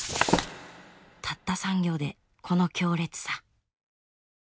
たった３行でこの強烈さ。